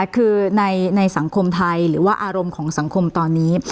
คือในสังคมไทยหรือว่าอารมณ์ของสังคมตอนนี้